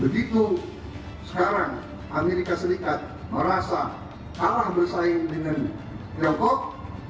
begitu sekarang amerika serikat merasa kalah bersaing dengan tiongkok